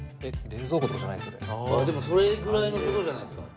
でもそれぐらいのものじゃないですか？